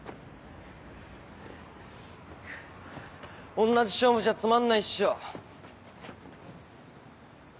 おんなじ勝負じゃつまんないっしょ。